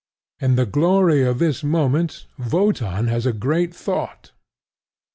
In the glory of this moment Wotan has a great thought.